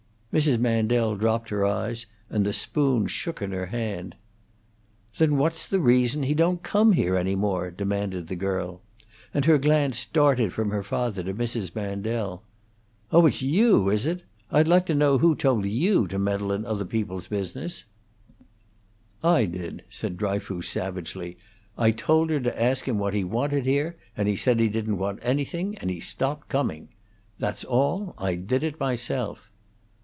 Mrs. Mandel dropped her eyes, and the spoon shook in her hand. "Then what's the reason he don't come here any more?" demanded the girl; and her glance darted from her father to Mrs. Mandel. "Oh, it's you, is it? I'd like to know who told you to meddle in other people's business?" "I did," said Dryfoos, savagely. "I told her to ask him what he wanted here, and he said he didn't want anything, and he stopped coming. That's all. I did it myself."